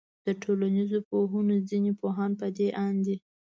د ټولنيزو پوهنو ځيني پوهان پدې آند دي